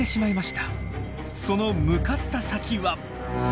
その向かった先は。